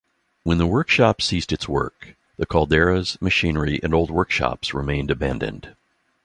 When the workshops ceased its work, the calderas, machinery and old workshops remained abandoned.